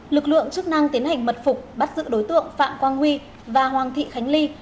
lực lượng chức năng tiến hành mật phục bắt giữ đối tượng phạm quang huy và hoàng thị khánh ly